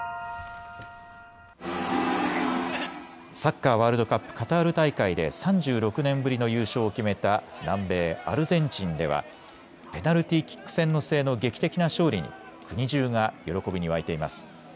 サッカーワールドカップカタール大会で３６年ぶりの優勝を決めた南米・アルゼンチンではペナルティーキック戦の末の劇的な勝利に国中が喜びに沸いています。